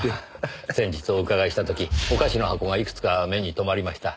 先日お伺いした時お菓子の箱がいくつか目に留まりました。